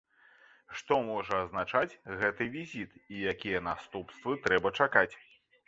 Што можа азначаць гэты візіт і якія наступствы трэба чакаць?